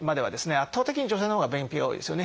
圧倒的に女性のほうが便秘が多いですよね。